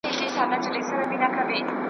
پېړۍ په ویښه د کوډګرو غومبر وزنګول .